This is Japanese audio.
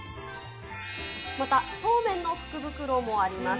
また、そうめんの福袋もあります。